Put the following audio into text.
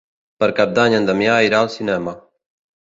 Per Cap d'Any en Damià irà al cinema.